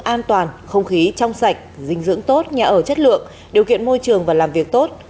an toàn không khí trong sạch dinh dưỡng tốt nhà ở chất lượng điều kiện môi trường và làm việc tốt